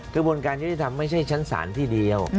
กระบวนการยุทธิธรรมไม่ใช่ชั้นศาลที่เดียว